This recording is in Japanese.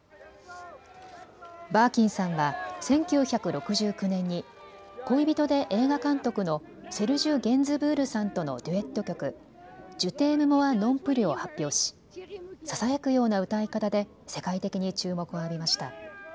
バーキンさんは１９６９年に恋人で映画監督のセルジュ・ゲンズブールさんとのデュエット曲、ジュ・テーム・モワ・ノン・プリュを発表し、ささやくような歌い方で世界的に注目を浴びました。